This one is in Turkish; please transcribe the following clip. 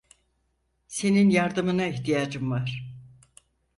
Senin yardımına ihtiyacım var.